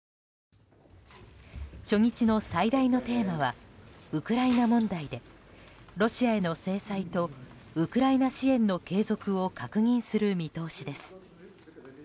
初日の最大のテーマはウクライナ問題でロシアへの制裁とウクライナ支援の継続を確認する見通しです。